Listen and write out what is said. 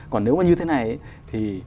còn nếu như thế này thì